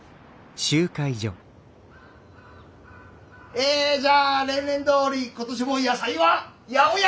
えじゃあ例年どおり今年も野菜は八百屋！